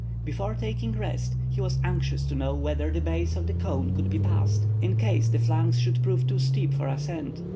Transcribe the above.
Before taking rest, he was anxious to know whether the base of the cone could be passed, in case its flanks should prove too steep for ascent.